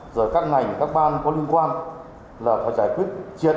sở các ngành các ban có liên quan là phải giải quyết